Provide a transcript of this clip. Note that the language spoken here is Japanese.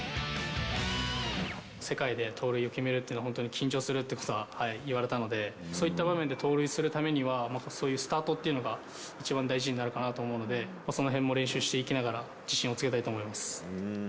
世界で盗塁を決めるっていうのは、本当に緊張するっていうことは言われたので、そういった場面で盗塁するためには、そういうスタートっていうのが一番大事になるかなと思うので、そのへんも練習していきながら、自信をつけたいと思います。